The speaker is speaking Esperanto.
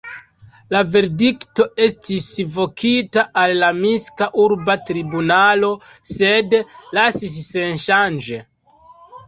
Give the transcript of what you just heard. La verdikto estis vokita al la Minska urba tribunalo, sed lasis senŝanĝe.